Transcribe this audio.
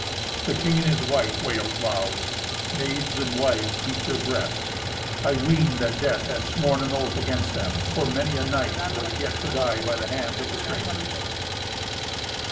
The king and his wife wailed loud. Maids and wives beat their breasts. I ween that Death had sworn an oath against them, for many a knight was yet to die by the hands of the strangers.